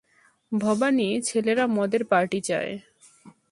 ভবানী, ছেলেরা মদের পার্টি চায়।